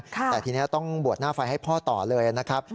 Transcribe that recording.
แต่ทีนี้ต้องบวชหน้าไฟให้พ่อต่อเลยนะครับ